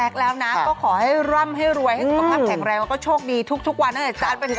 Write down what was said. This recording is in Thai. เอาเป็นวาดให้คุณผู้ชมฟังแม่หมอต๊อกแต๊กแล้วนะ